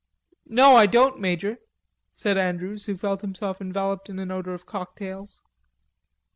"No, I don't, Major," said Andrews, who felt himself enveloped in an odor of cocktails.